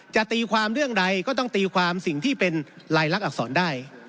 จะตีความเรื่องใดก็ต้องตีความสิ่งที่เป็นลายลักษณอักษรได้